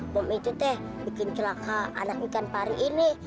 bom itu deh bikin celaka anak ikan pari ini